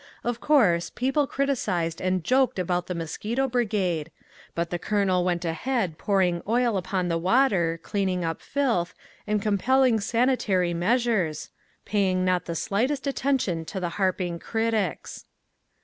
Of course, people criticized and joked about the mosquito brigade, but the colonel went ahead pouring oil upon the water, cleaning up filth, and compelling sanitary measures, paying not the slightest attention to the harping critics.